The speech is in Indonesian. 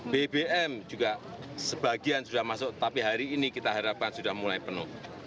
bbm juga sebagian sudah masuk tapi hari ini kita harapkan sudah mulai penuh